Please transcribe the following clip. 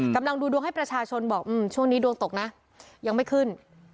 ดูดวงให้ประชาชนบอกช่วงนี้ดวงตกนะยังไม่ขึ้น